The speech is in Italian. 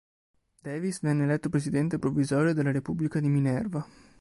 Davis venne eletto presidente provvisorio della Repubblica di Minerva.